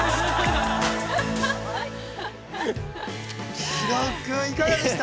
◆木戸君、いかがでした？